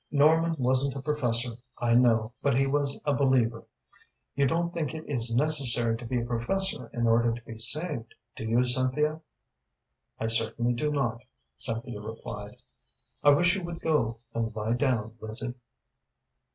"Norman wasn't a professor, I know, but he was a believer. You don't think it is necessary to be a professor in order to be saved, do you, Cynthia?" "I certainly do not," Cynthia replied. "I wish you would go and lie down, Lizzie."